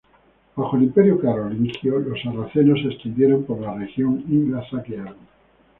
Bajo el Imperio Carolingio, los sarracenos se extendieron por la región y la saquearon.